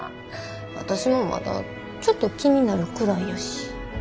私もまだちょっと気になるくらいやし。